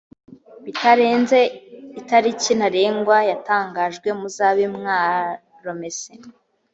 bitarenze itariki ntarengwa yatangajwe muzabe mwaromese